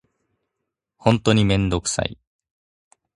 ほんとに面倒臭い